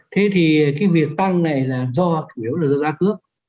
thế thì cái việc tăng này là do chủ yếu là do giá cước